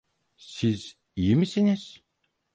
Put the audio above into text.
Siz iyi misiniz?